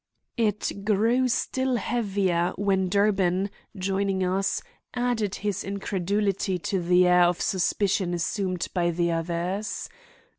It grew still heavier when Durbin, joining us, added his incredulity to the air of suspicion assumed by the others.